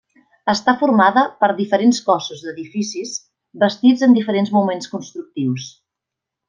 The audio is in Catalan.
Està formada per diferents cossos d'edificis bastits en diferents moments constructius.